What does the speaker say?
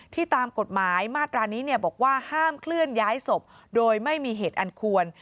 ตามกฎหมายมาตรานี้บอกว่าห้ามเคลื่อนย้ายศพโดยไม่มีเหตุอันควร